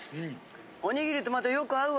おにぎりとまたよく合うわ。